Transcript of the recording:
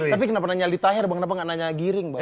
tapi kenapa nanya aldi taher kenapa enggak nanya giring pak